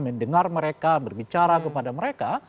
mendengar mereka berbicara kepada mereka